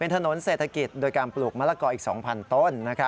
ถนนเศรษฐกิจโดยการปลูกมะละกออีก๒๐๐ต้น